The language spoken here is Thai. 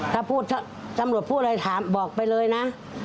ถ้าพูดตำรวจพูดอะไรถามบอกไปเลยนะ